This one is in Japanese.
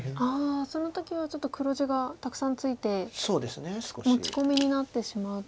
その時はちょっと黒地がたくさんついて持ち込みになってしまうと。